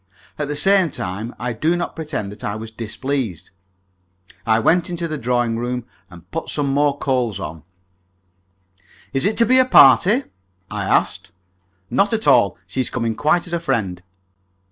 At the same time, I do not pretend that I was displeased. I went into the drawing room and put some more coal on. "Is it to be a party?" I asked. "Not at all. She is coming quite as a friend."